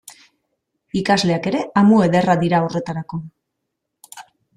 Ikasleak ere amu ederra dira horretarako.